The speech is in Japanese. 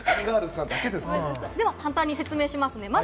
では簡単に説明しますね。